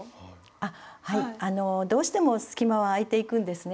あはいどうしても隙間は空いていくんですね